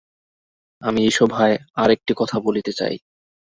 আমি এই সভায় আর একটি কথা বলিতে চাই।